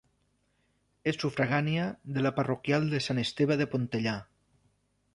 És sufragània de la parroquial de Sant Esteve de Pontellà.